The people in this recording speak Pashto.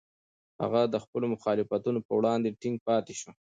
هغه د خپلو مخالفتونو په وړاندې ټینګ پاتې شو.